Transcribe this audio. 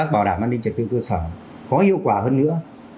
bảo đảm an ninh trật tự cơ sở có hiệu quả hơn nữa